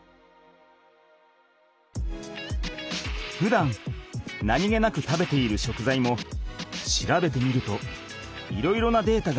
ふだん何気なく食べている食材も調べてみるといろいろなデータが発見できる。